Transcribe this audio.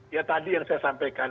ya tadi yang saya sampaikan